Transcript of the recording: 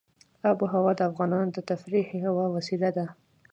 آب وهوا د افغانانو د تفریح یوه وسیله ده.